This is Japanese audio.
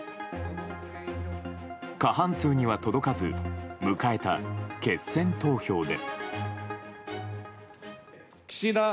過半数には届かず、迎えた決選投票で。